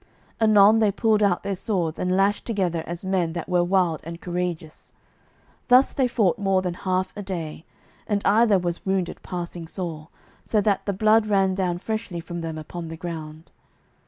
Anon they pulled out their swords and lashed together as men that were wild and courageous. Thus they fought more than half a day, and either was wounded passing sore, so that the blood ran down freshly from them upon the ground.